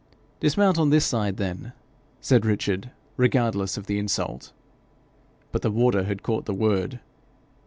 'Dismount on this side then,' said Richard, regardless of the insult. But the warder had caught the word.